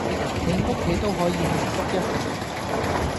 喺屋企都可以慶祝一下